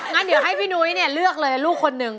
งั้นเดี๋ยวให้พี่นุ้ยเนี่ยเลือกเลยลูกคนหนึ่ง